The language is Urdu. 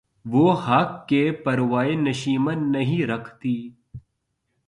وہ خاک کہ پروائے نشیمن نہیں رکھتی